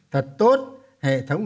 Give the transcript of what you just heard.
thật tốt hệ thống